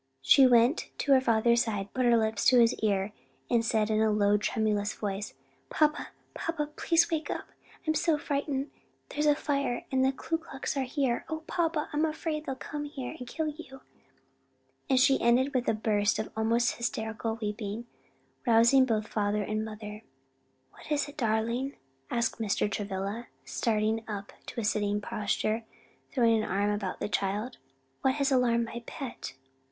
She went to her father's side, put her lips to his ear, and said in low tremulous tones, "Papa, papa, please wake up, I'm so frightened; there's a fire and the Ku Klux are there. O papa, I'm afraid they'll come here and kill you!" and she ended with a burst of almost hysterical weeping, rousing both father and mother. "What is it, darling?" asked Mr. Travilla, starting up to a sitting posture, and throwing an arm about the child, "what has alarmed my pet?"